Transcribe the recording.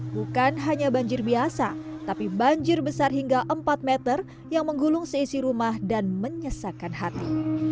bukan hanya banjir biasa tapi banjir besar hingga empat meter yang menggulung seisi rumah dan menyesakan hati